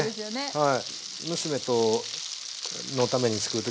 はい。